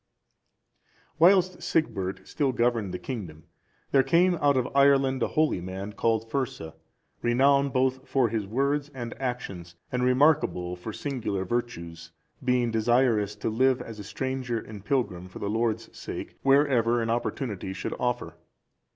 ] Whilst Sigbert still governed the kingdom, there came out of Ireland a holy man called Fursa,(379) renowned both for his words and actions, and remarkable for singular virtues, being desirous to live as a stranger and pilgrim for the Lord's sake, wherever an opportunity should offer.